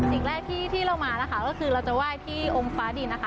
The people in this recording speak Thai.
สิ่งแรกที่เรามานะคะก็คือเราจะไหว้ที่องค์ฟ้าดินนะคะ